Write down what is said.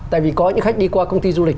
tại vì có những khách đi qua công ty du lịch